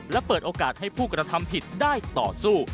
และเปิดโอกาสให้ผู้กระทำผิดได้ต่อสู้